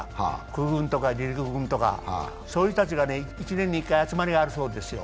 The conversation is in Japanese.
空軍とか陸軍とか、そういう人たちが１年に１回、集まりがあるそうですよ。